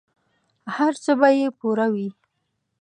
هر څه به یې پوره وي.